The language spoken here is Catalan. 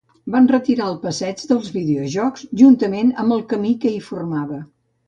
Van retirar el Passeig dels videojocs, juntament amb el camí que hi formava.